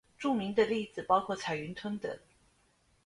著名的例子包括彩云邨等。